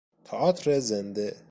تئاتر زنده